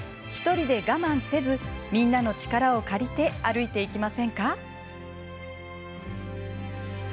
１人で我慢せず、みんなの力を借りて歩いていきませんか？